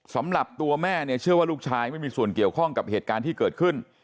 สำหรับตัวแม่เนี่ยเชื่อว่าลูกชายไม่มีส่วนเกี่ยวข้องกับเหตุการณ์ที่เกิดขึ้น